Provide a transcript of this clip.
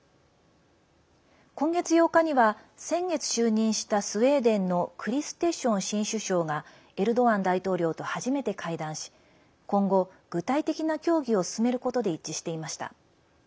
今月８日には、先月就任したスウェーデンのクリステション新首相がエルドアン大統領と初めて会談し今後、具体的な協議を進めることで一致していました。